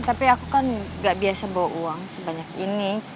tapi aku kan gak biasa bawa uang sebanyak ini